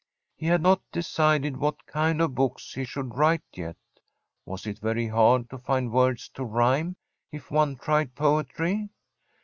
He had not decided what kind of books he should write yet. Was it very hard to find words to rhyme, if one tried poetry?